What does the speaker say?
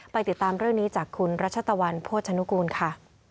ติดตามเรื่องนี้จากคุณรัชตะวันโภชนุกูลค่ะ